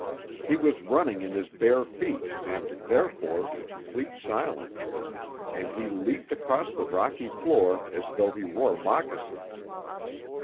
He was running in his bare feet and, therefore, in complete silence, and he leaped across the rocky floor as though he wore moccasins.